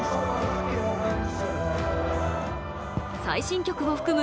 最新曲を含む